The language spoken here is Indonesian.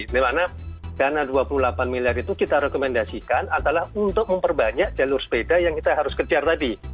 dimana dana dua puluh delapan miliar itu kita rekomendasikan adalah untuk memperbanyak jalur sepeda yang kita harus kejar tadi